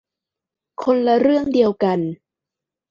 คนละเรื่องเดียวกัน